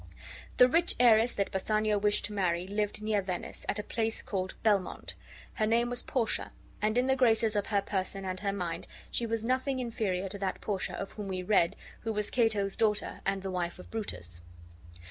The rich heiress that Bassanio wished to marry lived near Venice, at a place called Belmont. Her name was Portia, and in the graces of her person and her mind she was nothing inferior to that Portia, of whom we read, who was Cato's daughter and the wife of Brutus.